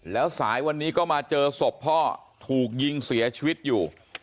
แล้วสายวันนี้ก็มาเจอศพพ่อถูกยิงเสียชีวิตอยู่